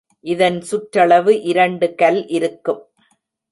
இதன் சுற்றளவு இரண்டு கல் இருக்கும்.